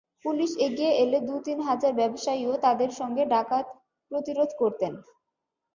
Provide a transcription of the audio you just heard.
Police এগিয়ে এলে দু-তিন হাজার ব্যবসায়ীও তাদের সঙ্গে ডাকাত প্রতিরোধ করতেন।